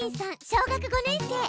小学５年生。